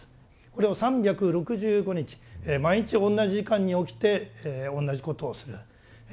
これを３６５日毎日同じ時間に起きて同じことをする。